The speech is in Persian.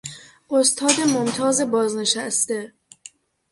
استاد ممتاز بازنشسته